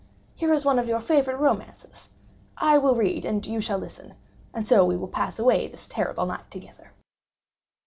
Here is one of your favorite romances. I will read, and you shall listen;—and so we will pass away this terrible night together."